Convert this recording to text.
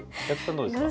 どうですか？